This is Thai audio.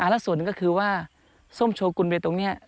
แล้วส่วนหนึ่งก็คือว่าส้มโชกุลเวย์ตรงนี้